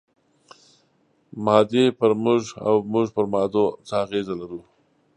مادې پر موږ او موږ پر مادو څه اغېز لرو؟